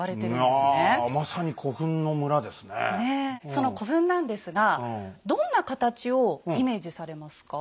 その古墳なんですがどんな形をイメージされますか？